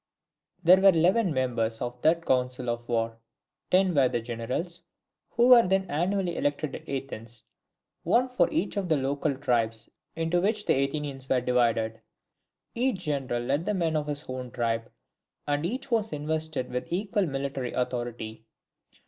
There were eleven members of that council of war. Ten were the generals, who were then annually elected at Athens, one for each of the local tribes into which the Athenians were divided. Each general led the men of his own tribe, and each was invested with equal military authority.